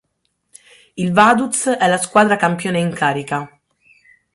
Il Vaduz è la squadra campione in carica.